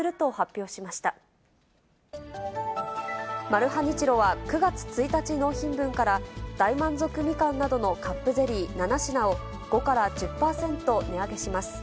マルハニチロは９月１日納品分から大満足みかんなどのカップゼリー７品を、５から１０％値上げします。